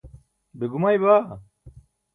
be gumay baa?